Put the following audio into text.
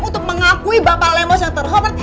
untuk mengakui bapak lemos yang terhormat